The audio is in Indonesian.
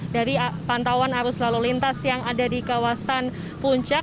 dari pantauan arus lalu lintas yang ada di kawasan puncak